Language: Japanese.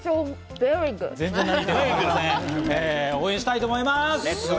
応援したいと思います。